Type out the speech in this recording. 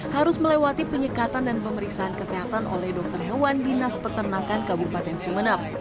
harus melewati penyekatan dan pemeriksaan kesehatan oleh dokter hewan dinas peternakan kabupaten sumeneb